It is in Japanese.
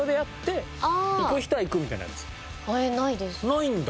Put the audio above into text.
ないんだ。